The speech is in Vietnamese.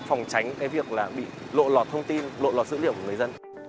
phòng tránh cái việc là bị lộ lọt thông tin lộ lọt dữ liệu của người dân